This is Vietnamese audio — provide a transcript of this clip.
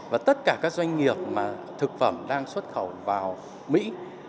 và tất cả các doanh nghiệp mà thực phẩm đang xuất khẩu vào mỹ